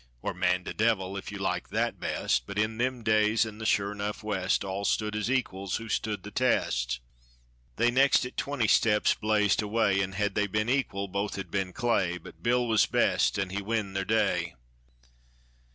Or man to devil, 'f you like that best. But in them days, in the sure enough West, All stood as equals who stood the test. They next at twenty steps blazed away, An' had they ben equal both had ben clay, But Bill was best, an' he win ther day.